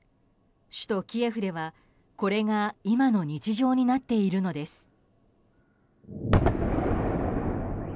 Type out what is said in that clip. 首都キエフでは、これが今の日常になっているのです。